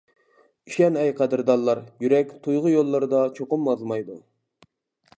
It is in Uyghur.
ئىشەن ئەي قەدىردانلار يۈرەك تۇيغۇ يوللىرىدا چوقۇم ئازمايدۇ.